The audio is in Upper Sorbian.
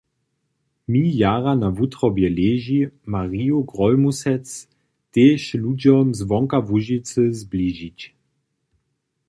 Mi jara na wutrobje leži, Marju Grólmusec tež ludźom zwonka Łužicy zbližić.